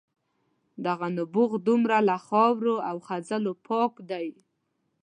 دغه نبوغ دومره له خاورو او خځلو پاک دی.